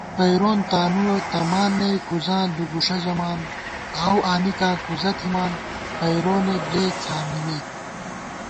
پئیرون تانُوَہ تمان نئ کُزاں دُو گُݭہ ژَمان * آؤو آنِکاں کُزہ تھِمان پئیرونےبۡلےڅھانِمېت